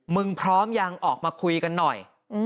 พร้อมยังออกมาคุยกันหน่อย